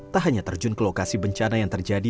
tak hanya terjun ke lokasi bencana yang terjadi